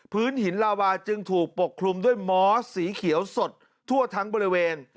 พื้นหินลาวาจึงถูกปกคลุมด้วยมอสสีเขียวสดทั่วทั้งบริเวณ